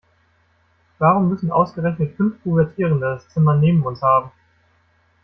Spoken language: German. Warum müssen ausgerechnet fünf Pubertierende das Zimmer neben uns haben?